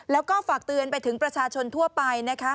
แล้วก็ฝากเตือนไปถึงประชาชนทั่วไปนะคะ